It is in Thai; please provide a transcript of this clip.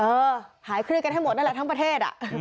หายเครียดกันให้หมดนั่นแหละทั้งประเทศ